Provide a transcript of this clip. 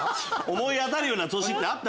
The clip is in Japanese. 思い当たるような年あった？